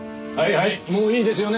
はいもういいですよね？